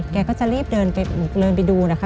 แกก็จะรีบเดินไปดูนะคะ